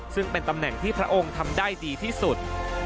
ซึ่งเป็นตำแหน่งที่พระองค์ทำได้ดีที่สุด